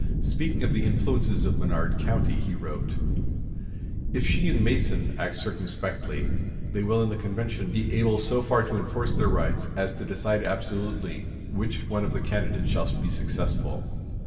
Speaking of the influences of Menard County, he wrote: "If she and Mason act circumspectly, they will in the convention be able so far to enforce their rights as to decide absolutely which one of the candidates shall be successful.